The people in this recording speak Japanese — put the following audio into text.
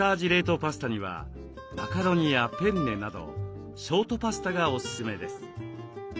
パスタにはマカロニやペンネなどショートパスタがおすすめです。